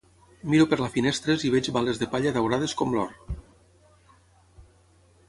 Miro per la finestres i veig bales de palla daurades com l'or